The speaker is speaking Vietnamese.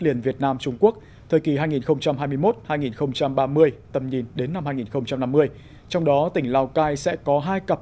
liền việt nam trung quốc thời kỳ hai nghìn hai mươi một hai nghìn ba mươi tầm nhìn đến năm hai nghìn năm mươi trong đó tỉnh lào cai sẽ có hai cặp